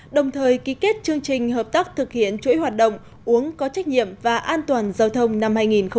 đồng thời ký kết chương trình hợp tác thực hiện chuỗi hoạt động uống có trách nhiệm và an toàn giao thông năm hai nghìn hai mươi